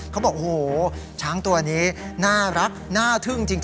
เขาบอกโอ้โหช้างตัวนี้น่ารักน่าทึ่งจริง